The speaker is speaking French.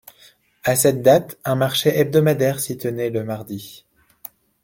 À cette date un marché hebdomadaire s'y tenait le mardi.